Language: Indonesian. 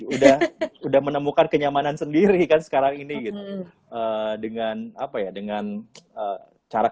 udah udah menemukan kenyamanan sendiri kan sekarang ini gitu dengan apa ya dengan cara